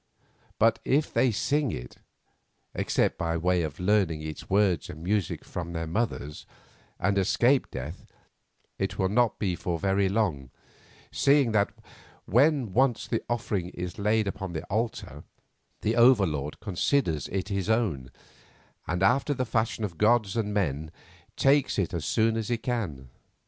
But if they sing it, except by way of learning its words and music from their mothers, and escape death, it will not be for very long, seeing that when once the offering is laid upon his altar, the Over Lord considers it his own, and, after the fashion of gods and men, takes it as soon as he can.